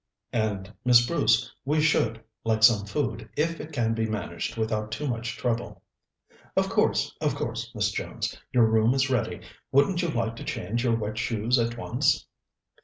"And, Miss Bruce, we should like some food if it can be managed without too much trouble." "Of course, of course. Miss Jones, your room is ready. Wouldn't you like to change your wet shoes at once?"